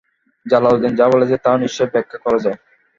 Jalaluddin যা বলেছে, তাও নিশ্চয়ই ব্যাখ্যা করা যায়।